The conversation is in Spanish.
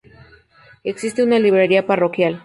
Existe una librería parroquial.